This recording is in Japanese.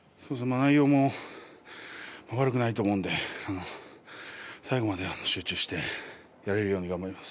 内容も悪くないと思うので最後まで集中してやれるように頑張ります。